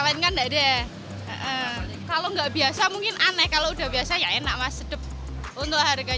rasa combrang sama serai